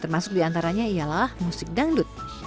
termasuk diantaranya ialah musik dangdut